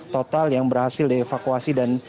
total yang berhasil dievakuasi dan